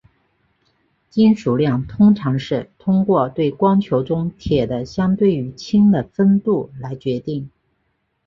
金属量通常是通过对光球中铁的相对于氢的丰度来决定。